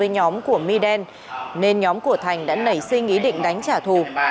nên nhóm của thành đã nảy sinh ý định đánh trả thù